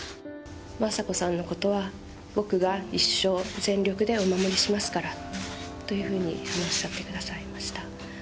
雅子さんのことは、僕が一生、全力でお守りしますからというふうにおっしゃってくださいました。